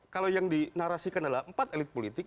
kalau yang dinarasikan adalah empat elit politik